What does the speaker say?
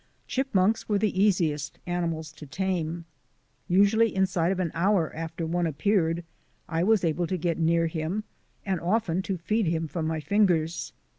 Chipmunks were the easiest animals to tame. Usually inside of an hour after one appeared I was able to get near him and often to feed him from my fingers.